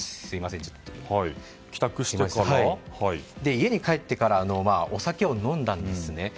家に帰ってからお酒を飲んだんですね。